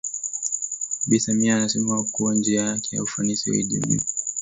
Bi Samia anasema kuwa njia yake ya ufanisi haijakuwa rahisi kama inavyodhaniwa